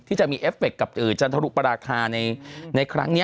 ที่จะมีเอฟเฟคกับจันทรุปราคาในครั้งนี้